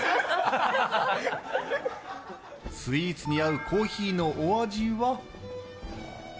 スイーツに合うコーヒーのお味は。